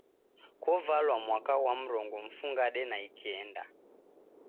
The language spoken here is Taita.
Kovalwa mwaka ghwa mrongo mfungade na ikenda.